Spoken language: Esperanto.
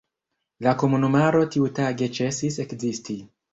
La komunumaro tiutage ĉesis ekzisti.